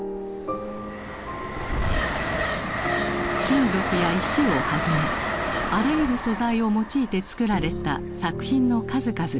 金属や石をはじめあらゆる素材を用いて作られた作品の数々です。